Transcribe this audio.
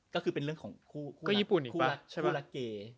ก็คือเป็นเรื่องของคู่ละเก่